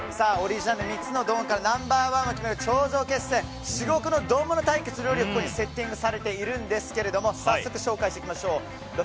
３つの丼からナンバー１を決める頂上決戦至極の丼物対決が、ここにセッティングされているんですが早速紹介していきましょう。